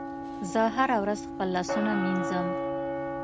زه هره ورځ خپل لاسونه مینځم.